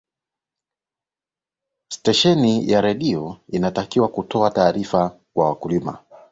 stesheni ya redio intakiwa kutoa taarifa kwa wakulima